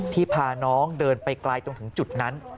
พาน้องเดินไปไกลตรงถึงจุดนั้น